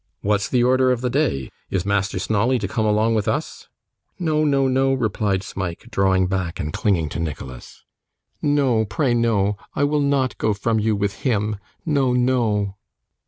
What's the order of the day? Is Master Snawley to come along with us?' 'No, no, no,' replied Smike, drawing back, and clinging to Nicholas. 'No. Pray, no. I will not go from you with him. No, no.